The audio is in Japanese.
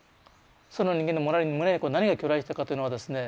その人間の胸に何が去来したかというのはですね